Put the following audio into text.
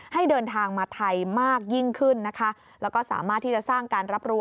ให้เดินทางมาไทยมากยิ่งขึ้นนะคะแล้วก็สามารถที่จะสร้างการรับรู้